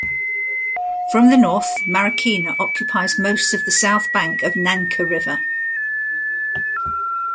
From the north, Marikina occupies most of the south bank of Nangka River.